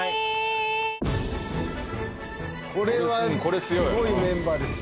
これはすごいメンバーですよ。